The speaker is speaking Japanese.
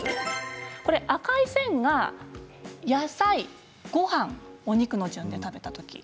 赤い線が野菜、ごはん、お肉の順で食べたとき